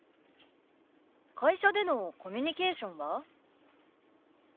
会社でのコミュニケーションは？